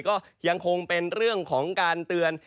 ก็ยังคงเป็นเรื่องของการเตือน